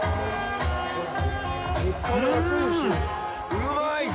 うまい！